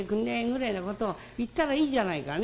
ぐれえのことを言ったらいいじゃないかね。